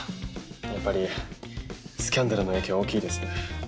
やっぱりスキャンダルの影響は大きいですね。